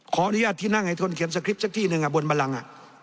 ขออนุญาตที่นั่งไอทนเข็มสคริปตสักที่หนึ่งบนบรัง